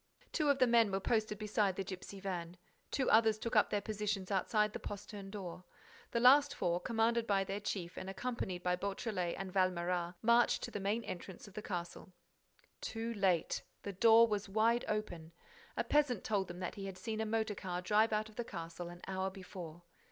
Two of the men were posted beside the gipsy van. Two others took up their positions outside the postern door. The last four, commanded by their chief and accompanied by Beautrelet and Valméras, marched to the main entrance of the castle. Too late. The door was wide open. A peasant told them that he had seen a motor car drive out of the castle an hour before.